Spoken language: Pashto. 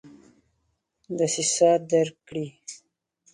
دسیسه درک کړي.